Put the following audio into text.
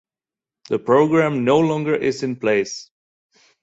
The program no longer is in place.